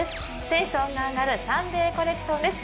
テンションが上がるサンデーコレクションです。